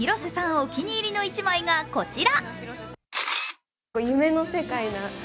お気に入りの一枚がこちら。